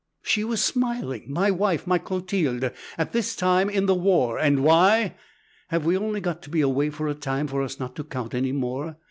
She was smiling, my wife, my Clotilde, at this time in the war! And why? Have we only got to be away for a time for us not to count any more?